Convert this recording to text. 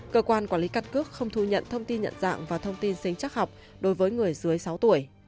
cơ quan quản lý căn cước không thu nhận thông tin nhận dạng và thông tin sinh chắc học đối với người dưới sáu tuổi